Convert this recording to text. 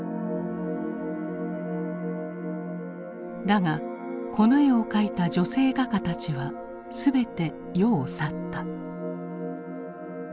だがこの絵を描いた女性画家たちは全て世を去った。